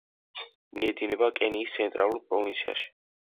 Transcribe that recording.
მიედინება კენიის ცენტრალურ პროვინციაში.